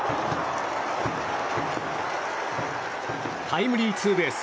タイムリーツーベース。